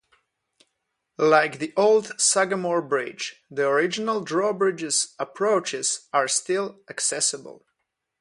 Like the old Sagamore Bridge, the original drawbridge's approaches are still accessible.